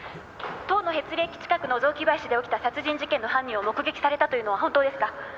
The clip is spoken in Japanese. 「塔のへつり駅近くの雑木林で起きた殺人事件の犯人を目撃されたというのは本当ですか？」